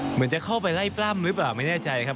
เหมือนจะเข้าไปไล่ปล้ำหรือเปล่าไม่แน่ใจครับ